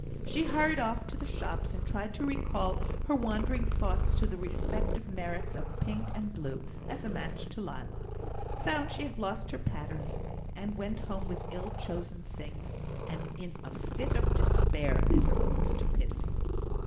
She hurried off to the shops, and tried to recall her wandering thoughts to the respective merits of pink and blue as a match to lilac, found she had lost her patterns, and went home with ill chosen things, and in a fit of despair at her own stupidity.